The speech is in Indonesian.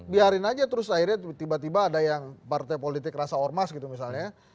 biarin aja terus akhirnya tiba tiba ada yang partai politik rasa ormas gitu misalnya